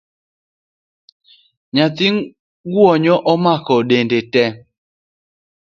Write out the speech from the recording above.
Nyathi gwonyo omaki dende tee